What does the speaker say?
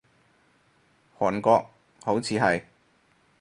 韓國，好似係